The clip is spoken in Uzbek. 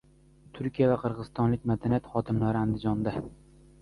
Turkiya va qirg‘izistonlik madaniyat xodimlari Andijonda